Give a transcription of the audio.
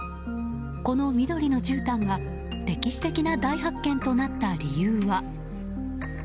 この緑のじゅうたんが歴史的な大発見となった理由は？